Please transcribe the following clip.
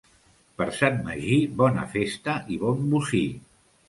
Per Sant Magí, bona festa i bon bocí.